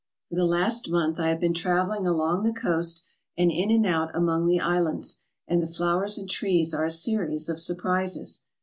For the last month I have been travelling along the coast and in and out among the islands, and the flowers and trees are a series of surprises.